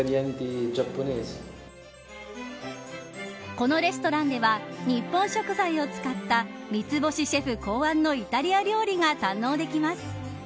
このレストランでは日本食材を使った三つ星シェフ考案のイタリア料理が堪能できます。